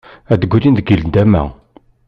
Ad d-grin deg nndama.